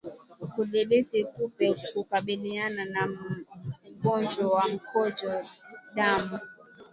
Kudhibiti kupe hukabiliana na ugonjwa wa mkojo damu